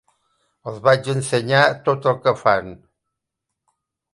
Els vaig ensenyar tot el que fan.